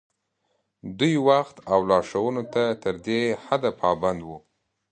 دوی وخت او لارښوونو ته تر دې حده پابند وو.